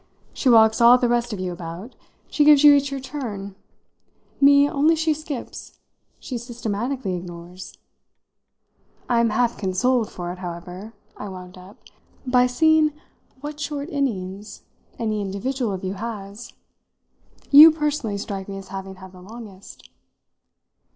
She walks all the rest of you about; she gives you each your turn; me only she skips, she systematically ignores. I'm half consoled for it, however," I wound up, "by seeing what short innings any individual of you has. You personally strike me as having had the longest."